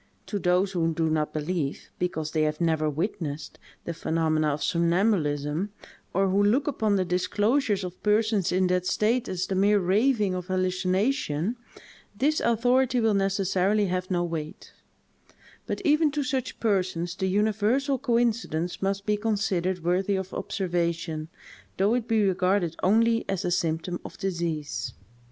To those who do not believe, because they have never witnessed, the phenomena of somnambulism, or who look upon the disclosures of persons in that state as the mere raving of hallucination, this authority will necessarily have no weight; but even to such persons the universal coincidence must be considered worthy of observation, though it be regarded only as a symptom of disease.